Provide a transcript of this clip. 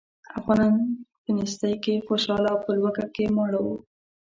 افغانان په نېستۍ کې خوشاله او په لوږه کې ماړه وو.